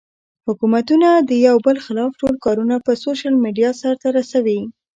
حکومتونه د يو بل خلاف ټول کارونه پۀ سوشل ميډيا سر ته رسوي